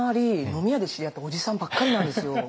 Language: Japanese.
飲み屋で知り合ったおじさんばっかりなんですよ。